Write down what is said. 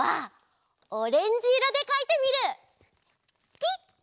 ピッ！